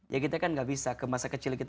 ya kita kan gak bisa ke masa kecil kita